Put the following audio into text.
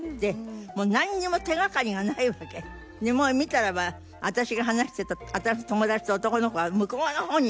でもう見たらば私が話してた友達と男の子は向こうの方にいるわけ。